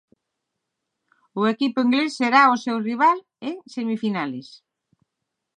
O equipo inglés será o seu rival en semifinais.